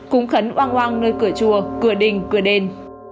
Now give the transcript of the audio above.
cúng khấn oang oang nơi cửa chùa cửa đình cửa đền